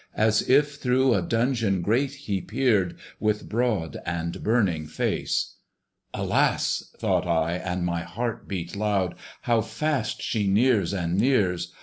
As if through a dungeon grate he peered, With broad and burning face. Alas! (thought I, and my heart beat loud) How fast she nears and nears!